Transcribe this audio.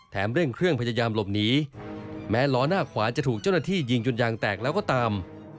เร่งเครื่องพยายามหลบหนีแม้ล้อหน้าขวาจะถูกเจ้าหน้าที่ยิงจนยางแตกแล้วก็ตาม